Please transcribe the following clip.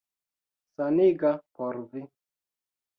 Saniga por vi.